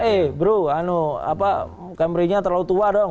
eh bro cambry nya terlalu tua dong